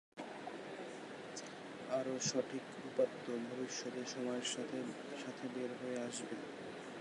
আরো সঠিক উপাত্ত ভবিষ্যতে সময়ের সাথে সাথে বের হয়ে আসবে।